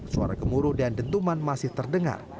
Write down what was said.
suara gemuruh dan dentuman masih terdengar